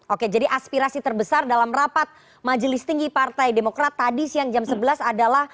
oke jadi aspirasi terbesar dalam rapat majelis tinggi partai demokrat tadi siang jam sebelas adalah